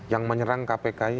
yang menyerang kpk ini